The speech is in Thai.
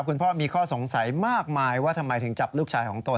คุณพ่อมีข้อสงสัยมากมายว่าทำไมถึงจับลูกชายของตน